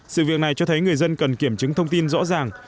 sự việc này cho thấy người dân cần kiểm chứng thông tin rõ ràng